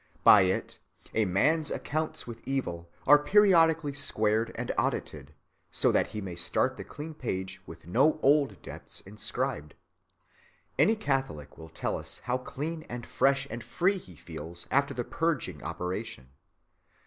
By it a man's accounts with evil are periodically squared and audited, so that he may start the clean page with no old debts inscribed. Any Catholic will tell us how clean and fresh and free he feels after the purging operation.